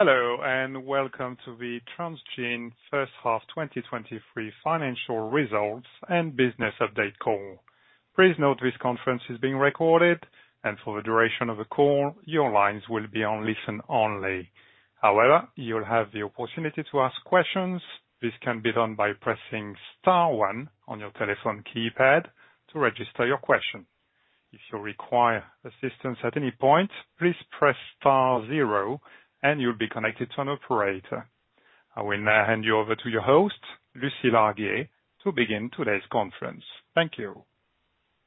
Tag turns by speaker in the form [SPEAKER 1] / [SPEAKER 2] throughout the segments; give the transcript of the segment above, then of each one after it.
[SPEAKER 1] Hello, and welcome to the Transgene first half 2023 financial results and business update call. Please note this conference is being recorded, and for the duration of the call, your lines will be on listen only. However, you'll have the opportunity to ask questions. This can be done by pressing star one on your telephone keypad to register your question. If you require assistance at any point, please press star zero, and you'll be connected to an operator. I will now hand you over to your host, Lucie Larguier, to begin today's conference. Thank you.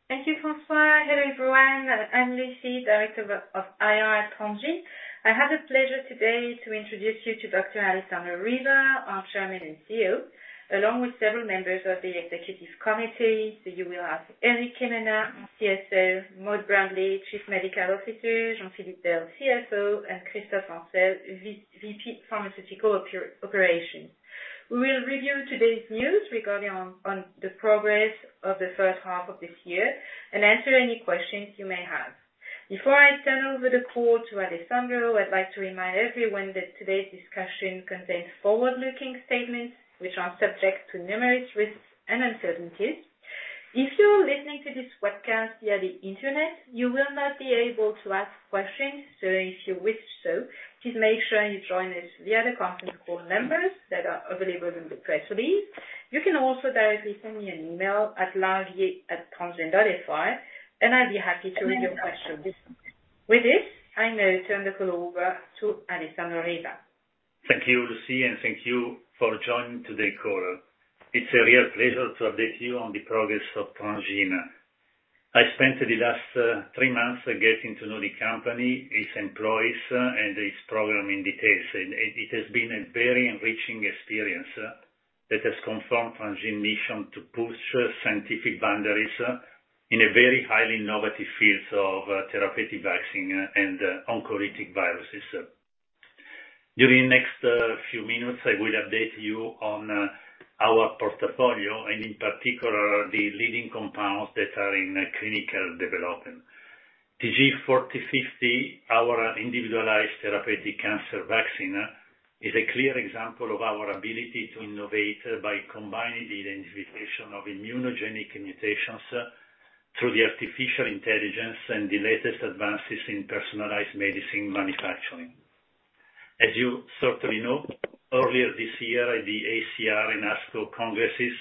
[SPEAKER 2] Thank you, François. Hello, everyone. I'm Lucie, Director of IR at Transgene. I have the pleasure today to introduce you to Dr. Alessandro Riva, our Chairman and CEO, along with several members of the executive committee. You will have Éric Quéméneur, CSO, Maud Brandely, Chief Medical Officer, Jean-Philippe Del, CFO, and Christophe Ancel, VP Pharmaceutical Operations. We will review today's news regarding the progress of the first half of this year, and answer any questions you may have. Before I turn over the call to Alessandro, I'd like to remind everyone that today's discussion contains forward-looking statements, which are subject to numerous risks and uncertainties. If you're listening to this webcast via the internet, you will not be able to ask questions, so if you wish so, please make sure you join us via the conference call numbers that are available in the press release. You can also directly send me an email at Larguier@transgene.fr, and I'd be happy to read your question. With this, I now turn the call over to Alessandro Riva.
[SPEAKER 3] Thank you, Lucie, and thank you for joining today's call. It's a real pleasure to update you on the progress of Transgene. I spent the last three months getting to know the company, its employees, and its program in details, and it has been a very enriching experience that has confirmed Transgene mission to push scientific boundaries in a very highly innovative field of therapeutic vaccine and oncolytic viruses. During the next few minutes, I will update you on our portfolio, and in particular, the leading compounds that are in clinical development. TG4050, our individualized therapeutic cancer vaccine, is a clear example of our ability to innovate by combining the identification of immunogenic mutations through the artificial intelligence and the latest advances in personalized medicine manufacturing. As you certainly know, earlier this year, at the AACR and ASCO congresses,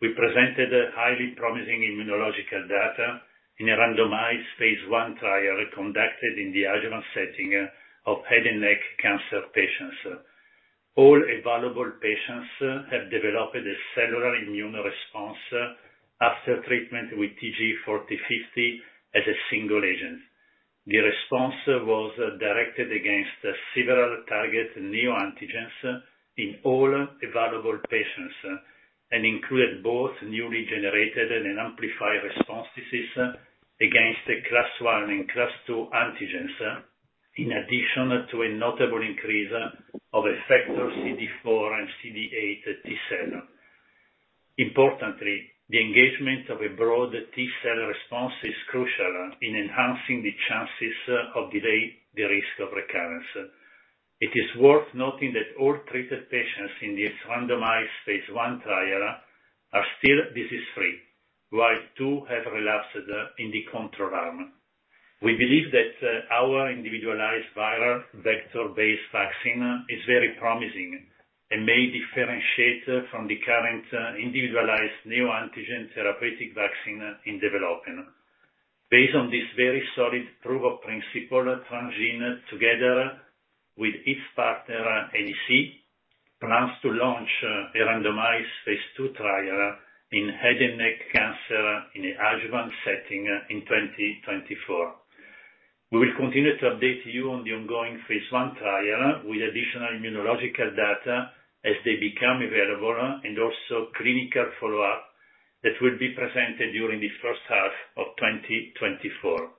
[SPEAKER 3] we presented highly promising immunological data in a randomized phase I trial conducted in the adjuvant setting of head and neck cancer patients. All available patients have developed a cellular immune response after treatment with TG4050 as a single agent. The response was directed against several target neoantigens in all available patients and included both newly generated and amplified response disease against class I and class II antigens, in addition to a notable increase of effector CD4 and CD8 T cell. Importantly, the engagement of a broad T cell response is crucial in enhancing the chances of delay the risk of recurrence. It is worth noting that all treated patients in this randomized phase I trial are still disease-free, while two have relapsed in the control arm. We believe that our individualized viral vector-based vaccine is very promising, and may differentiate from the current individualized neoantigen therapeutic vaccine in development. Based on this very solid proof of principle, Transgene, together with its partner, NEC, plans to launch a randomized phase II trial in head and neck cancer in an adjuvant setting in 2024. We will continue to update you on the ongoing phase I trial, with additional immunological data as they become available, and also clinical follow-up that will be presented during the first half of 2024.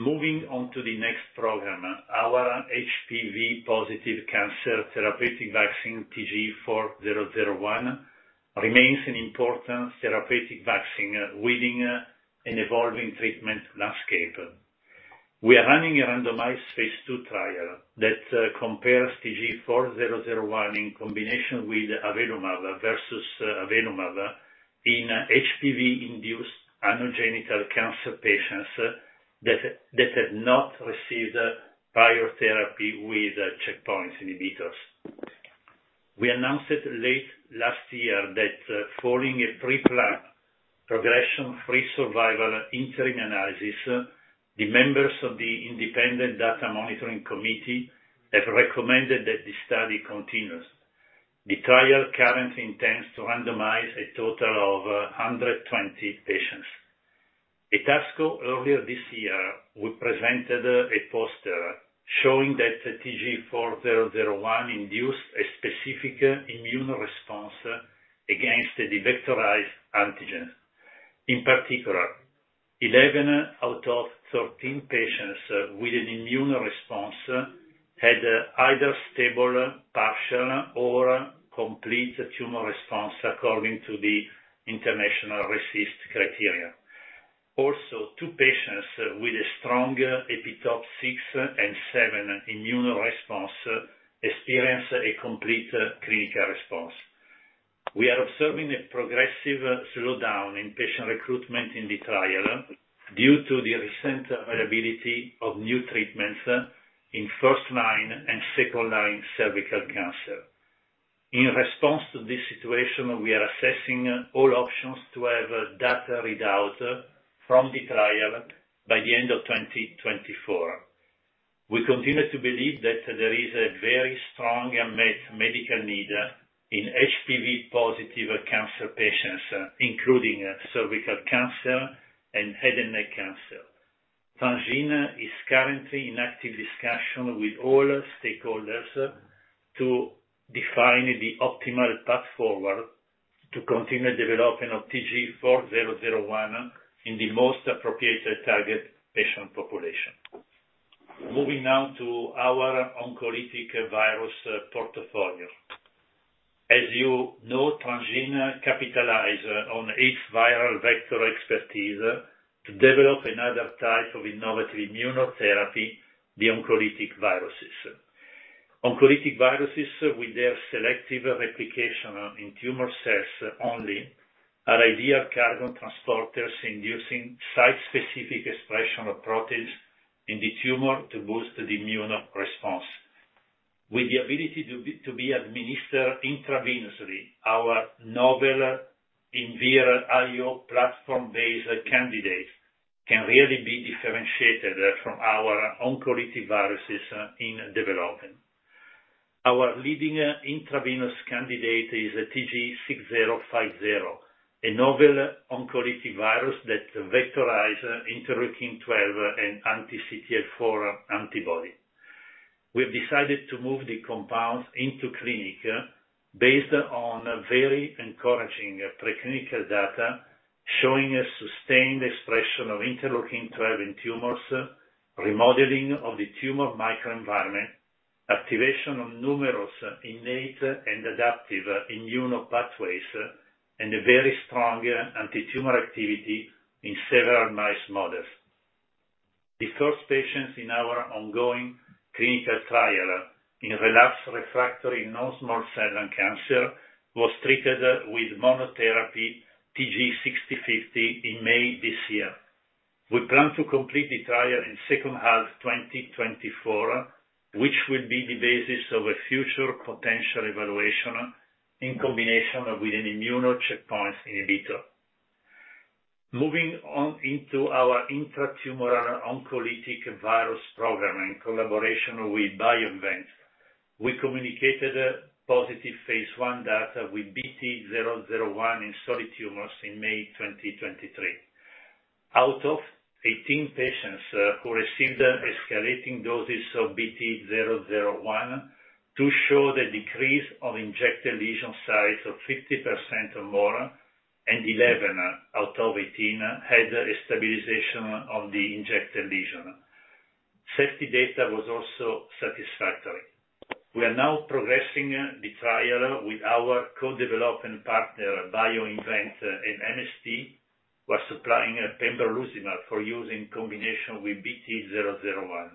[SPEAKER 3] Moving on to the next program, our HPV positive cancer therapeutic vaccine, TG4001, remains an important therapeutic vaccine within an evolving treatment landscape. We are running a randomized phase II trial that compares TG4001 in combination with avelumab versus avelumab in HPV-induced anogenital cancer patients that have not received prior therapy with checkpoint inhibitors. We announced it late last year that, following a preplanned progression-free survival interim analysis, the members of the independent data monitoring committee have recommended that the study continues. The trial currently intends to randomize a total of 120 patients. At ASCO earlier this year, we presented a poster showing that TG4001 induced a specific immune response against the vectorized antigen. In particular, 11 out of 13 patients with an immune response had either stable, partial, or complete tumor response, according to the international RECIST criteria. Also, two patients with a strong epitope E6 and E7 immune response experienced a complete clinical response. We are observing a progressive slowdown in patient recruitment in the trial due to the recent availability of new treatments in first-line and second-line cervical cancer. In response to this situation, we are assessing all options to have data read out from the trial by the end of 2024. We continue to believe that there is a very strong and medical need in HPV-positive cancer patients, including cervical cancer and head and neck cancer. Transgene is currently in active discussion with all stakeholders to define the optimal path forward to continue development of TG4001 in the most appropriate target patient population. Moving now to our oncolytic virus portfolio. As you know, Transgene capitalize on its viral vector expertise to develop another type of innovative immunotherapy, the oncolytic viruses. Oncolytic viruses, with their selective replication in tumor cells only, are ideal cargo transporters inducing site-specific expression of proteins in the tumor to boost the immune response. With the ability to be administered intravenously, our novel Invir.IO platform-based candidates can really be differentiated from our oncolytic viruses in development. Our leading intravenous candidate is TG6050, a novel oncolytic virus that vectorize interleukin-12 and anti-CTLA-4 antibody. We've decided to move the compound into clinic based on very encouraging preclinical data, showing a sustained expression of interleukin-12 in tumors, remodeling of the tumor microenvironment, activation of numerous innate and adaptive immune pathways, and a very strong antitumor activity in several mouse models. The first patients in our ongoing clinical trial in relapsed refractory non-small cell lung cancer, was treated with monotherapy TG6050 in May this year. We plan to complete the trial in second half 2024, which will be the basis of a future potential evaluation in combination with an immune checkpoint inhibitor. Moving on into our intratumoral oncolytic virus program in collaboration with BioInvent, we communicated positive phase I data with BT-001 in solid tumors in May 2023. Out of 18 patients, who received escalating doses of BT-001, 2 show the decrease of injected lesion size of 50% or more, and 11 out of 18 had a stabilization of the injected lesion. Safety data was also satisfactory. We are now progressing the trial with our co-development partner, BioInvent, and MSD, while supplying pembrolizumab for use in combination with BT-001.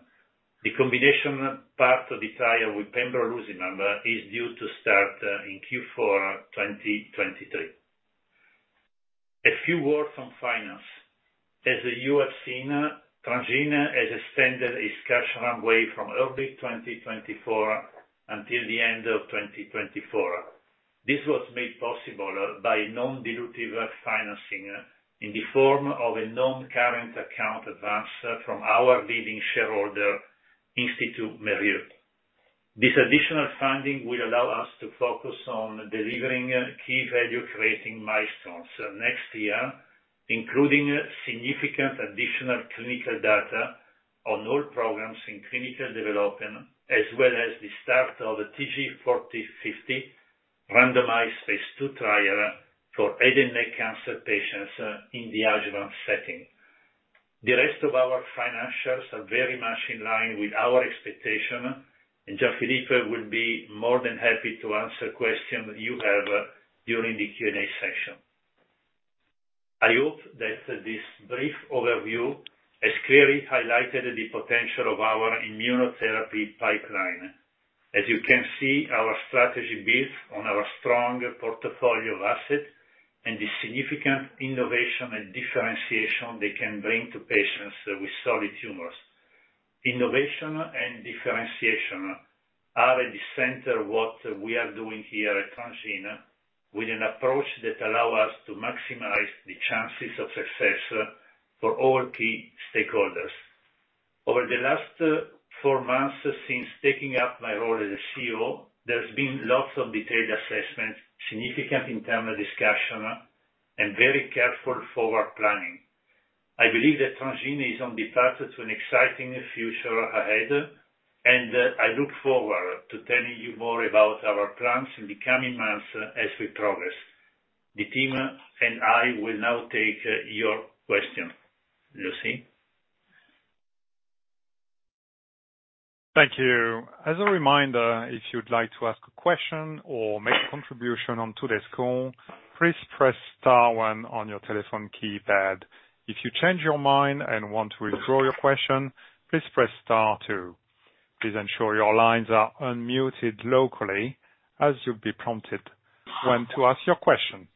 [SPEAKER 3] The combination part of the trial with pembrolizumab is due to start in Q4 2023. A few words on finance. As you have seen, Transgene has extended its cash runway from early 2024 until the end of 2024. This was made possible by non-dilutive financing in the form of a non-current account advance from our leading shareholder, Institut Mérieux. This additional funding will allow us to focus on delivering key value-creating milestones next year, including significant additional clinical data on all programs in clinical development, as well as the start of the TG4050 randomized phase II trial for head and neck cancer patients in the adjuvant setting. The rest of our financials are very much in line with our expectation, and Gianfilippo will be more than happy to answer questions you have during the Q&A session. I hope that this brief overview has clearly highlighted the potential of our immunotherapy pipeline. As you can see, our strategy builds on our strong portfolio of assets and the significant innovation and differentiation they can bring to patients with solid tumors. Innovation and differentiation are at the center of what we are doing here at Transgene, with an approach that allow us to maximize the chances of success for all key stakeholders. Over the last four months, since taking up my role as CEO, there's been lots of detailed assessments, significant internal discussion, and very careful forward planning. I believe that Transgene is on the path to an exciting future ahead, and I look forward to telling you more about our plans in the coming months as we progress. The team and I will now take your questions. Lucie?
[SPEAKER 1] Thank you. As a reminder, if you'd like to ask a question or make a contribution on today's call, please press star one on your telephone keypad. If you change your mind and want to withdraw your question, please press star two. Please ensure your lines are unmuted locally as you'll be prompted when to ask your question.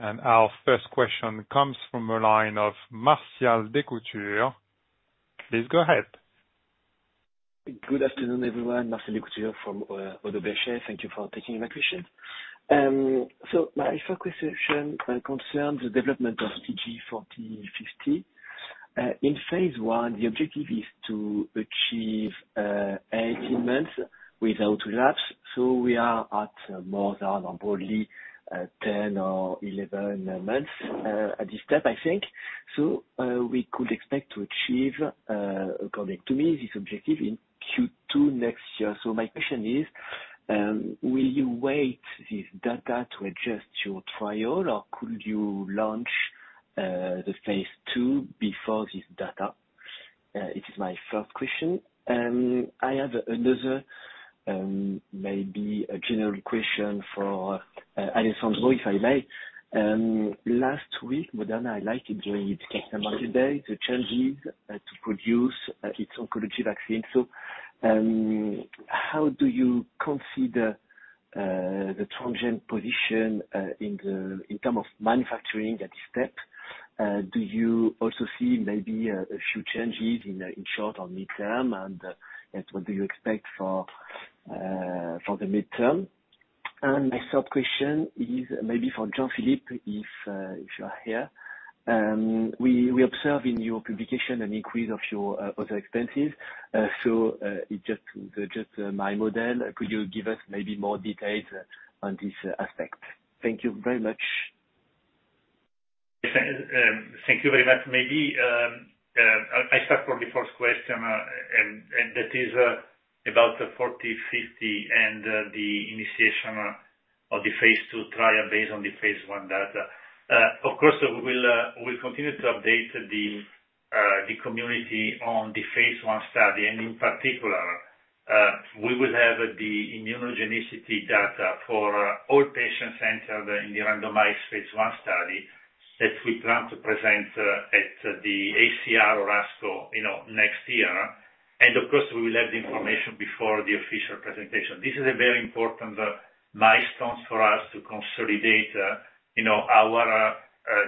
[SPEAKER 1] Our first question comes from the line of Martial Descoutures. Please go ahead.
[SPEAKER 4] Good afternoon, everyone, Martial Descoutures from Oddo BHF. Thank you for taking my question. So my first question concerns the development of TG4050. In phase I, the objective is to achieve 18 months without relapse, so we are at more than broadly 10 or 11 months at this step, I think. So we could expect to achieve, according to me, this objective in Q2 next year. So my question is, will you wait this data to adjust your trial, or could you launch the phase II before this data? It is my first question. I have another, maybe a general question for Alessandro, if I may. Last week, Moderna highlighted during its customer day, the changes to produce its oncology vaccine. How do you consider the Transgene position in term of manufacturing at this step? Do you also see maybe a few changes in the short or midterm? What do you expect for the midterm? My sub question is maybe for Jean-Philippe, if you are here, we observe in your publication an increase of your other expenses. It just- just my model. Could you give us maybe more details on this aspect? Thank you very much.
[SPEAKER 3] Thank you very much. Maybe I start from the first question, and that is about the TG4050 and the initiation of the phase II trial based on the phase I data. Of course, we will, we'll continue to update the community on the phase I study, and in particular, we will have the immunogenicity data for all patients entered in the randomized phase I study, that we plan to present at the AACR or ASCO, you know, next year. And of course, we will have the information before the official presentation. This is a very important milestone for us to consolidate, you know, our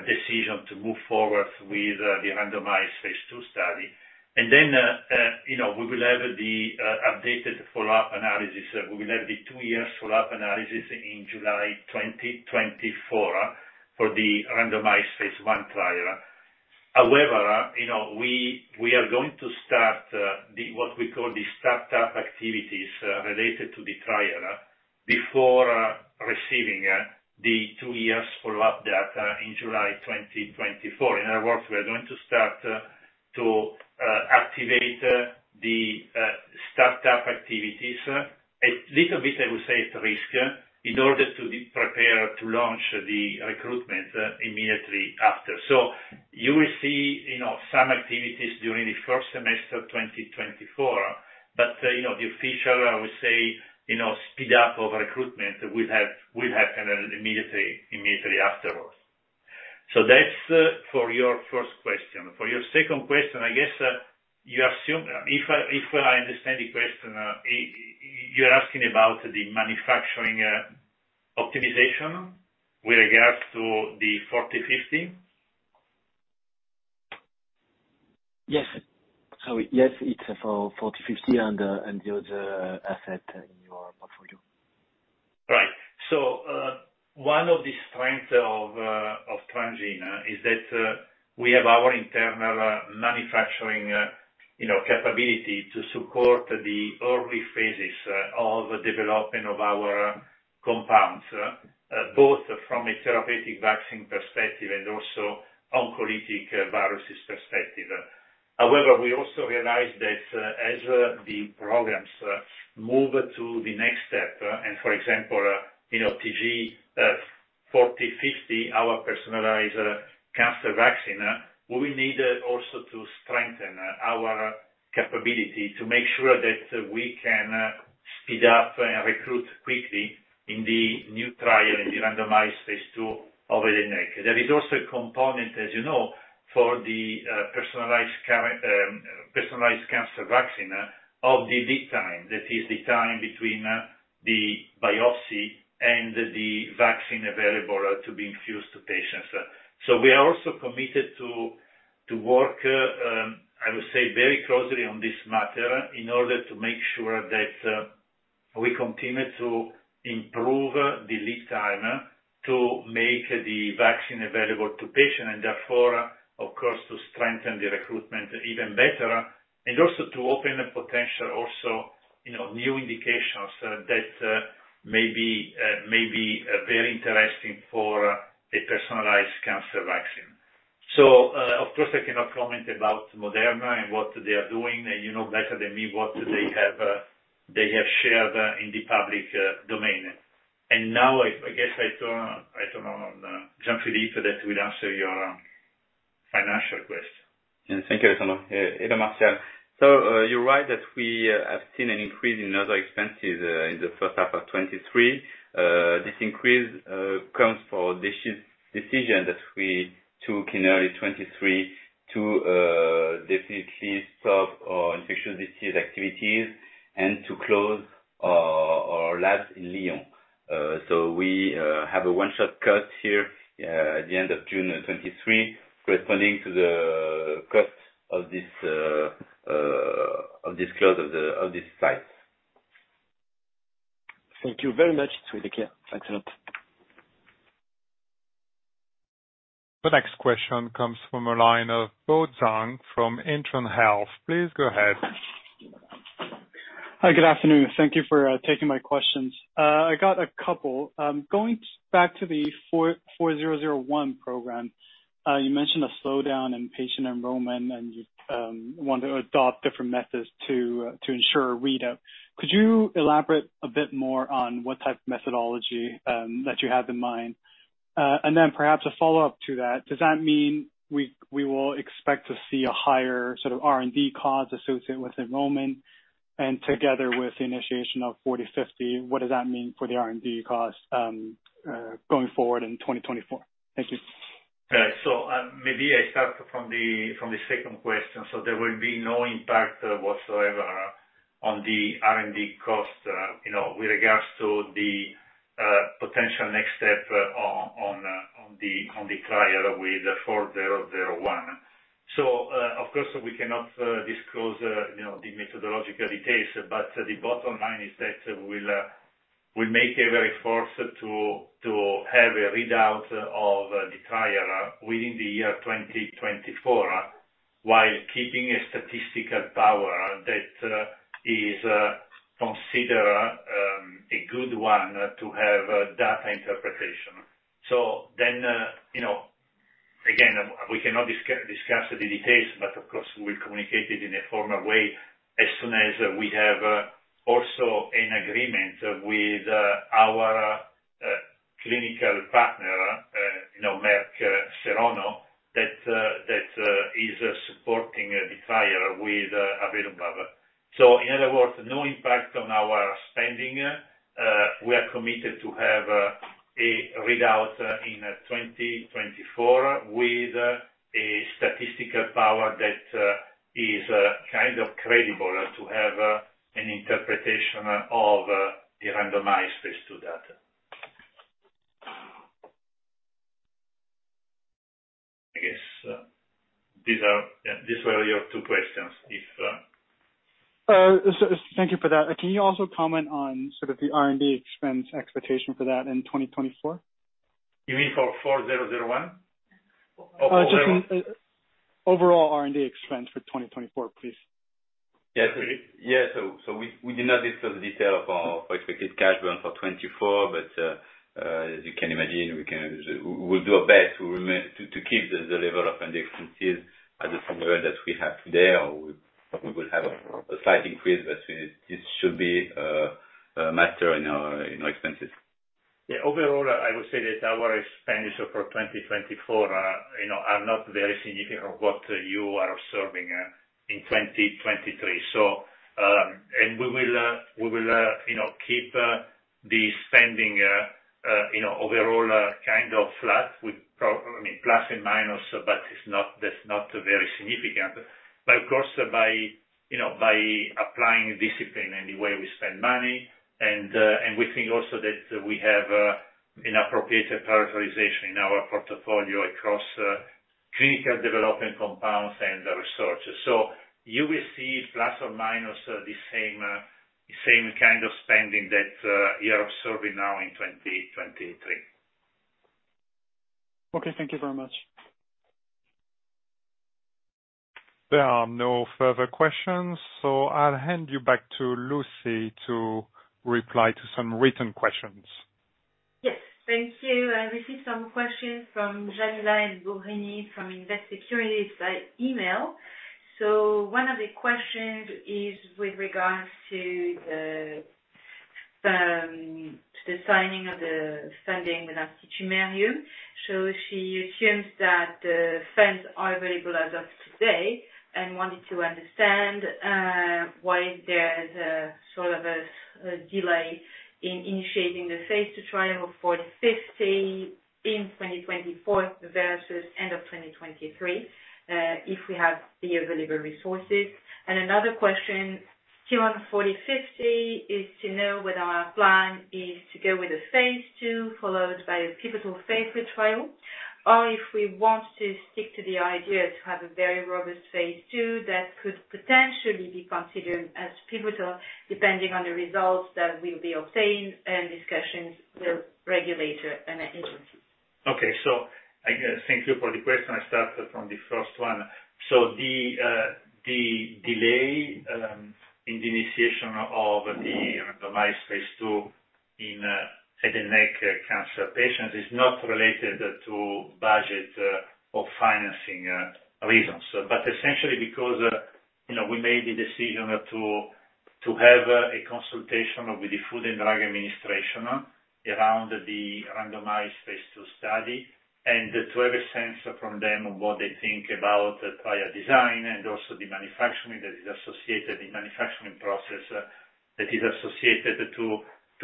[SPEAKER 3] decision to move forward with the randomized phase II study. And then, you know, we will have the updated follow-up analysis. We will have the two-year follow-up analysis in July 2024, for the randomized phase II trial. However, you know, we are going to start what we call the startup activities related to the trial before receiving the two years follow-up data in July 2024. In other words, we are going to start to activate the startup activities, a little bit, I would say, at risk, in order to be prepared to launch the recruitment immediately after. So you will see, you know, some activities during the first semester of 2024, but, you know, the official, I would say, you know, speed up of recruitment will happen immediately afterwards. So that's for your first question. For your second question, I guess, I mean, you assume—if I understand the question, you're asking about the manufacturing optimization with regards to the TG4050?
[SPEAKER 4] Yes. Sorry, yes, it's for TG4050 and, and the other asset in your portfolio.
[SPEAKER 3] Right. So, one of the strengths of Transgene is that we have our internal manufacturing, you know, capability to support the early phases of the development of our compounds, both from a therapeutic vaccine perspective and also oncolytic viruses perspective. However, we also realize that as the programs move to the next step, and for example, you know, TG4050, our personalized cancer vaccine, we need also to strengthen our capability to make sure that we can speed up and recruit quickly in the new trial, in the randomized phase II already in make. There is also a component, as you know, for the personalized cancer vaccine, of the lead time. That is the time between the biopsy and the vaccine available to be infused to patients. We are also committed to work, I would say, very closely on this matter, in order to make sure that we continue to improve the lead time, to make the vaccine available to patient, and therefore, of course, to strengthen the recruitment even better, and also to open the potential also, you know, new indications that may be very interesting for a personalized cancer vaccine. Of course, I cannot comment about Moderna and what they are doing, you know better than me, what they have shared in the public domain. Now, I guess I turn, I turn on Jean-Philippe that will answer your financial question.
[SPEAKER 5] Yes, thank you, Alessandro. Hello, Martial. You're right, we have seen an increase in other expenses in the first half of 2023. This increase comes from a decision that we took in early 2023 to definitely stop our infectious disease activities and to close our labs in Lyon. We have a one-shot cut here at the end of June 2023, corresponding to the cost of this close of this site.
[SPEAKER 4] Thank you very much. Take care. Thanks a lot.
[SPEAKER 1] The next question comes from the line of Bo Zhang from Intron Health. Please go ahead.
[SPEAKER 6] Hi, good afternoon. Thank you for taking my questions. I got a couple. Going back to the 4001 program, you mentioned a slowdown in patient enrollment, and you want to adopt different methods to ensure readout. Could you elaborate a bit more on what type of methodology that you have in mind? And then perhaps a follow-up to that, does that mean we will expect to see a higher sort of R&D cost associated with enrollment, and together with the initiation of 4050, what does that mean for the R&D cost going forward in 2024? Thank you.
[SPEAKER 3] Maybe I start from the second question. There will be no impact whatsoever on the R&D cost, you know, with regards to the potential next step on the trial with the 4001. Of course, we cannot disclose, you know, the methodological details, but the bottom line is that we make every effort to have a readout of the trial within the year 2024, while keeping a statistical power that is considered a good one to have a data interpretation. So then, you know, again, we cannot discuss the details, but of course, we'll communicate it in a formal way as soon as we have also an agreement with our clinical partner, you know, Merck Serono, that that is supporting a trial with avelumab. So in other words, no impact on our spending. We are committed to have a readout in 2024, with a statistical power that is kind of credible to have an interpretation of the randomized phase II data. I guess, these are, yeah, these were your two questions. If-
[SPEAKER 6] Thank you for that. Can you also comment on sort of the R&D expense expectation for that in 2024?
[SPEAKER 3] You mean for 4001?
[SPEAKER 6] Just overall R&D expense for 2024, please?
[SPEAKER 5] Yeah. Yeah. So we did not discuss the detail of our expected cash burn for 2024, but as you can imagine, we'll do our best to keep the level of R&D expenses at somewhere that we have today, or we will have a slight increase, but it should be minor in our expenses. Yeah. Overall, I would say that our expenses for 2024, you know, are not very significant of what you are observing in 2023. So, and we will, you know, keep the spending, you know, overall kind of flat with pro- I mean, plus and minus, but it's not, that's not very significant. But of course, by, you know, by applying discipline in the way we spend money, and, and we think also that we have an appropriate prioritization in our portfolio across clinical development compounds and research. So you will see plus or minus the same kind of spending that you are observing now in 2023.
[SPEAKER 6] Okay, thank you very much.
[SPEAKER 1] There are no further questions, so I'll hand you back to Lucie to reply to some written questions.
[SPEAKER 2] Yes. Thank you. I received some questions from Jamila El Bougrini from Invest Securities by email. So one of the questions is with regards to the signing of the funding with Institut Mérieux. So she assumes that the funds are available as of today, and wanted to understand why there's a sort of a delay in initiating the phase II trial of TG4050 in 2024, versus end of 2023, if we have the available resources. And another question, still on TG4050, is to know whether our plan is to go with a phase II, followed by a pivotal phase III trial, or if we want to stick to the idea to have a very robust phase II, that could potentially be considered as pivotal, depending on the results that will be obtained, and discussions with regulator and agency.
[SPEAKER 3] Okay. So I thank you for the question. I'll start from the first one. So the delay in the initiation of the randomized phase II in head and neck cancer patients is not related to budget or financing reasons. But essentially because. You know, we made the decision to have a consultation with the Food and Drug Administration around the randomized phase II study, and to have a sense from them on what they think about the trial design and also the manufacturing that is associated, the manufacturing process that is associated to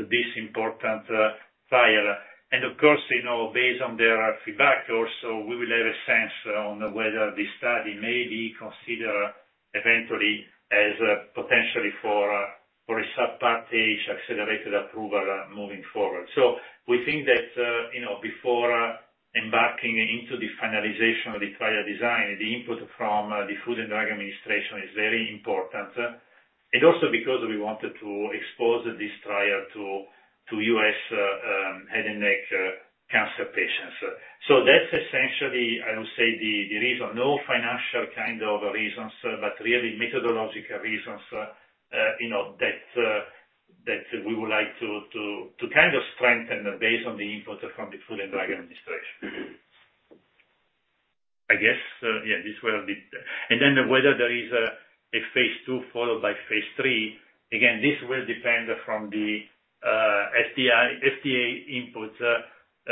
[SPEAKER 3] this important trial. And of course, you know, based on their feedback also, we will have a sense on whether the study may be considered eventually as potentially for a Subpart H accelerated approval moving forward. We think that, you know, before embarking into the finalization of the trial design, the input from the Food and Drug Administration is very important. Also because we wanted to expose this trial to, to U.S., you know, head and neck cancer patients. That's essentially, I would say, the reason. No financial kind of reasons, but really methodological reasons, you know, that we would like to, to, to kind of strengthen based on the input from the Food and Drug Administration. I guess, yeah, this will be—And then whether there is a phase II followed by phase III, again, this will depend from the, you know, FDA input, you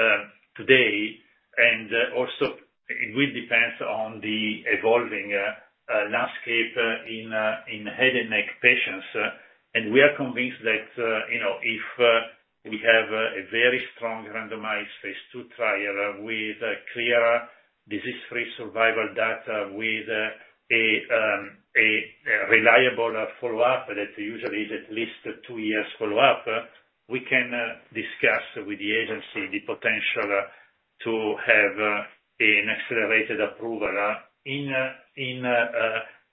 [SPEAKER 3] know, today, and also it will depend on the evolving, you know, landscape in, in head and neck patients. And we are convinced that, you know, if we have a very strong randomized phase II trial, with a clear disease-free survival data, with a reliable follow-up, that usually is at least two years follow-up, we can discuss with the agency the potential to have an accelerated approval, in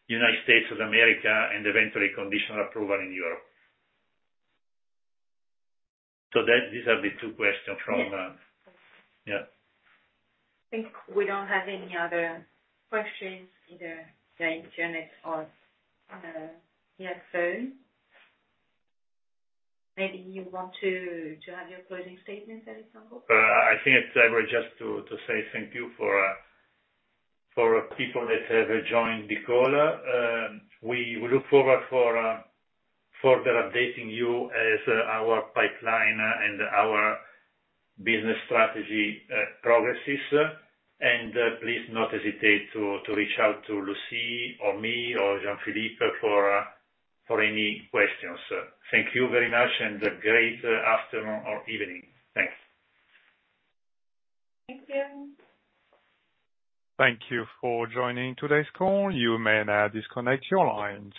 [SPEAKER 3] United States of America, and eventually conditional approval in Europe. So that, these are the two questions from-
[SPEAKER 2] Yes.
[SPEAKER 3] Yeah.
[SPEAKER 2] I think we don't have any other questions, either by internet or via phone. Maybe you want to have your closing statements, Alessandro?
[SPEAKER 3] I think it's every just to say thank you for people that have joined the call. We look forward for further updating you as our pipeline and our business strategy progresses. Please not hesitate to reach out to Lucie, or me, or Jean-Philippe for any questions. Thank you very much, and a great afternoon or evening. Thanks.
[SPEAKER 2] Thank you.
[SPEAKER 1] Thank you for joining today's call. You may now disconnect your lines.